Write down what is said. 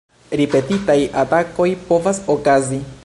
Ripetitaj atakoj povas okazi.